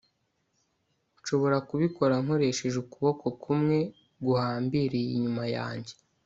nshobora kubikora nkoresheje ukuboko kumwe guhambiriye inyuma yanjye